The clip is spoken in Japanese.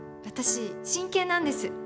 私真剣なんです。